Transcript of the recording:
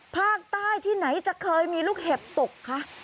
ภาคใต้ที่ไหนจะเคยมีลูกเห็บตกคะ